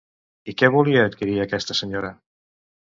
I què volia adquirir aquesta senyora?